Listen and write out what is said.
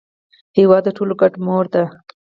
هېواد د ټولو ګډه مور ده.